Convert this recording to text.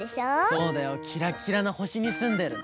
そうだよキラキラのほしにすんでるの！